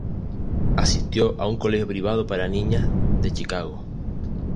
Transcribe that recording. Asistió a un colegio privado para niñas de Chicago.